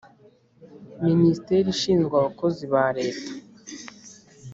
minisiteri ishinzwe abakozi ba leta